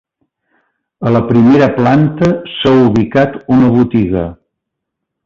A la primera planta s'ha ubicat una botiga.